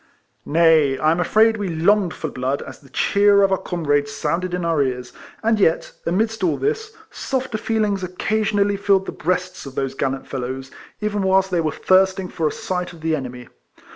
Nay, I am afraid we longed for blood as the cheer of our comrades sounded in our ears; and yet, amidst all this, softer feelings oc cassionally filled the breasts of those gallant fellows, even whilst they were thirsting for a sight of the enemy.